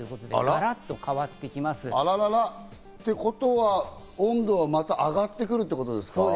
あららら。ってことはまた温度が上がってくるってことですか？